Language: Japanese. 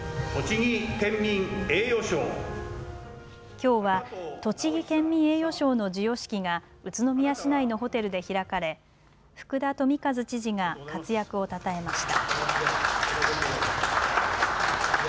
きょうは栃木県民栄誉賞の授与式が宇都宮市内のホテルで開かれ福田富一知事が活躍をたたえました。